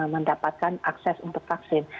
mendapatkan akses untuk vaksin